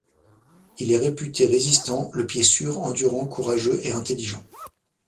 Il est réputé résistant, le pied sûr, endurant, courageux et intelligent.